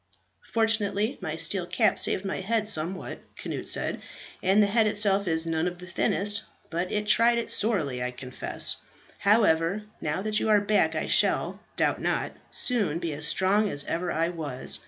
"Fortunately, my steel cap saved my head somewhat," Cnut said, "and the head itself is none of the thinnest; but it tried it sorely, I confess. However, now that you are back I shall, doubt not, soon be as strong as ever I was.